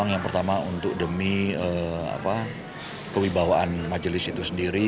yang pertama untuk demi kewibawaan majelis itu sendiri